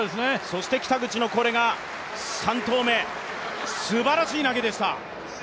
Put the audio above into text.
そして北口のこれが３投目すばらしい投げでした。